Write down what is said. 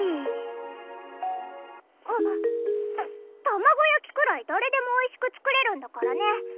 た卵焼きくらい誰でもおいしく作れるんだからね。